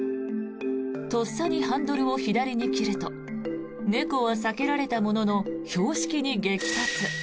とっさにハンドルを左に切ると猫は避けられたものの標識に激突。